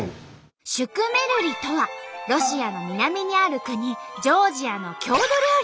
シュクメルリとはロシアの南にある国ジョージアの郷土料理。